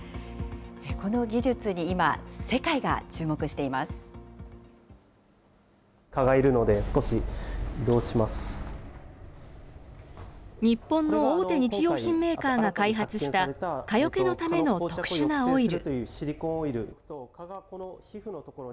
この技術に今、世界が注目してい日本の大手日用品メーカーが開発した、蚊よけのための特殊なオイル。